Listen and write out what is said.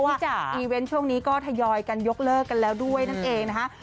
จากอีเวนต์ช่วงนี้ก็ทยอยกันยกเลิกกันแล้วด้วยนั่นเองนะคะ